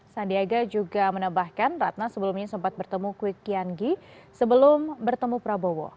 sandiaga juga menambahkan ratna sebelumnya sempat bertemu kwi kian gi sebelum bertemu prabowo